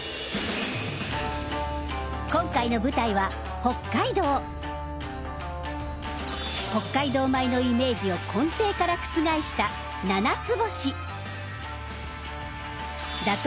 今回の舞台は北海道米のイメージを根底から覆した打倒